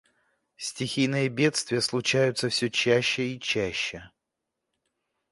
Стхийные бедствия случаются все чаще и чаще.